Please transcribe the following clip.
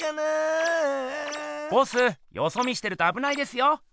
ボスよそ見してるとあぶないですよ。